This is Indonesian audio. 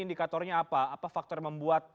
indikatornya apa apa faktor membuat